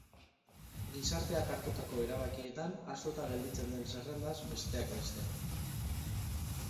Gizarteak hartutako erabakietan ahaztuta gelditzen den zerrendaz, besteak beste.